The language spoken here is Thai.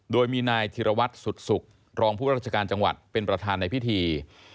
โดยมีนายธิรวัตรสุดศุกร์รองผู้ราชการจังหวัดเป็นประธานในพิธี